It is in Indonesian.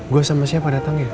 gue sama siapa datang ya